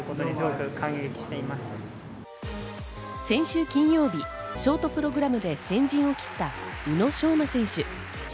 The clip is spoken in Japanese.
先週金曜日、ショートプログラムで先陣を切った宇野昌磨選手。